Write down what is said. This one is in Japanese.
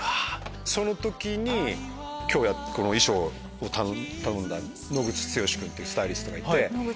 その時に今日この衣装を頼んだ野口強君っていうスタイリストがいて。